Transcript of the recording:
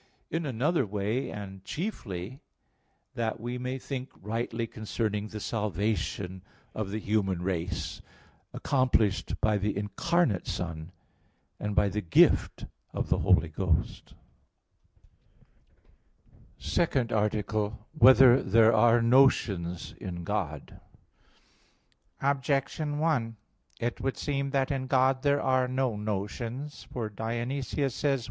In another way, and chiefly, that we may think rightly concerning the salvation of the human race, accomplished by the Incarnate Son, and by the gift of the Holy Ghost. _______________________ SECOND ARTICLE [I, Q. 32, Art. 2] Whether There Are Notions in God? Objection 1: It would seem that in God there are no notions. For Dionysius says (Div.